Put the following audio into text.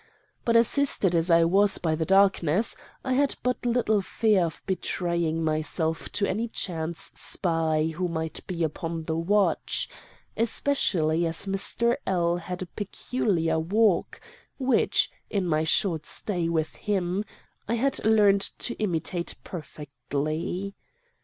But assisted as I was by the darkness, I had but little fear of betraying myself to any chance spy who might be upon the watch, especially as Mr. L had a peculiar walk, which, in my short stay with him, I had learned to imitate perfectly.